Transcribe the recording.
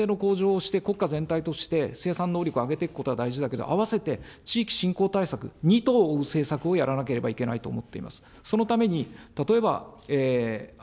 だから、生産性の向上をして、国家全体として生産能力を上げていくことは大事だけど、合わせて、地域振興対策、二兎を追う政策をやらなければいけないと思っています。